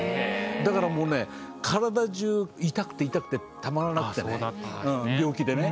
だからもうね体じゅう痛くて痛くてたまらなくてね病気でね。